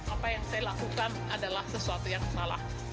apa yang saya lakukan adalah sesuatu yang salah